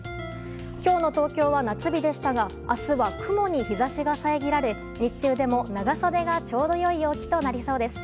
今日の東京は夏日でしたが明日は雲に日差しが遮られ日中でも、長袖がちょうど良い陽気となりそうです。